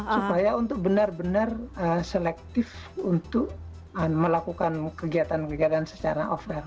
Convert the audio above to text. supaya untuk benar benar selektif untuk melakukan kegiatan kegiatan secara offline